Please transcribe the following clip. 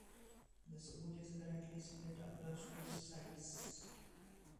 The school is currently split across two sites.